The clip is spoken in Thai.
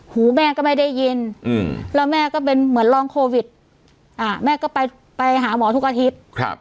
หูแม่ก็ไม่ได้ยินแล้วแม่ก็เป็นเหมือนรองโควิดแม่ก็ไปหาหมอทุกอาทิตย์